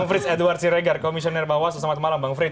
pak titi anggere komisioner bawas selamat malam bang frits